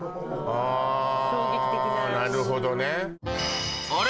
あなるほどね。